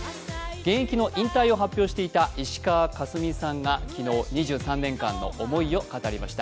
現役引退を発表していた石川佳純さんが昨日、２３年間の思いを語りました。